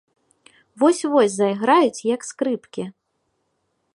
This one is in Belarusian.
Вось-вось зайграюць, як скрыпкі.